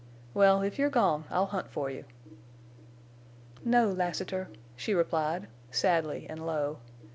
Well, if you're gone I'll hunt for you." "No, Lassiter," she replied, sadly and low.